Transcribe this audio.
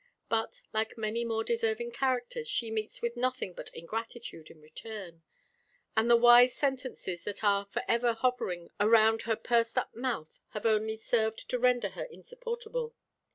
But, like many more deserving characters, she meets with nothing but ingratitude in return; and the wise sentences that are for ever hovering around her pursed up mouth have only served to render her insupportable.